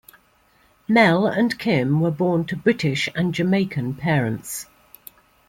Mel and Kim were born to British and Jamaican parents.